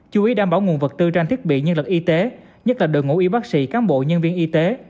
chú ý đảm bảo nguồn vật tư trang thiết bị nhân lực y tế nhất là đội ngũ y bác sĩ cán bộ nhân viên y tế